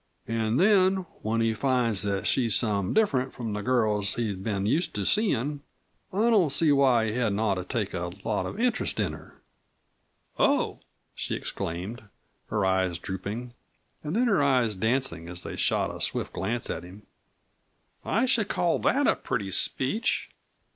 An' then when he finds that she's some different from the girls he's been used to seein', I don't see why he hadn't ought to take a lot of interest in her." "Oh!" she exclaimed, her eyes drooping. And then, her eyes dancing as they shot a swift glance at him "I should call that a pretty speech."